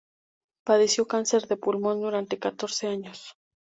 Padeció cáncer de pulmón durante catorce años.